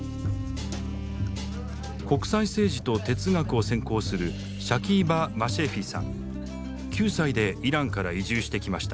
国際政治と哲学を専攻する９歳でイランから移住してきました。